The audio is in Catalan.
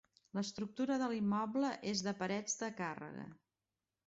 L'estructura de l'immoble és de parets de càrrega.